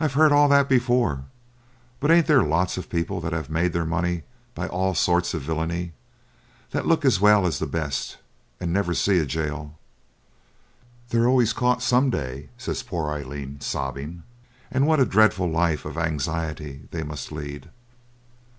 'I've heard all that before; but ain't there lots of people that have made their money by all sorts of villainy, that look as well as the best, and never see a gaol?' 'They're always caught some day,' says poor Aileen, sobbing, 'and what a dreadful life of anxiety they must lead!'